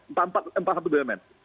empat empat empat satu bumn